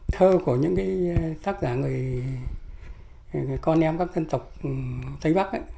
thơ của những tác giả người con em các dân tộc tây bắc